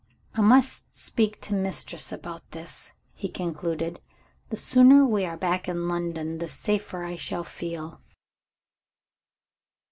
"I must speak to Mistress about this," he concluded. "The sooner we are back in London, the safer I shall feel."